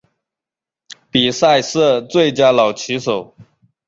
比赛设最佳老棋手。